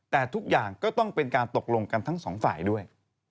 แต่ทุกอย่างก็ต้องเป็นการตกลงกันทั้งสองฝ่ายด้วย